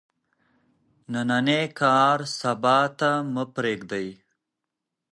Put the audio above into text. نننی کار سبا ته مه پریږدئ.